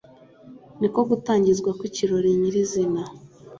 ni ko gutangizwa kw’ikirori nyirizina